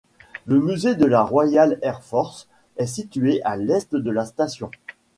Le Musée de la Royal Air Force est situé à l'est de la station.